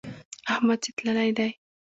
احمد چې تللی دی.